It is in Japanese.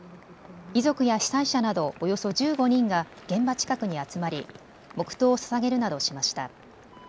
遺族や被災者などおよそ１５人が現場近くに集まり黙とうをささげるなどしました。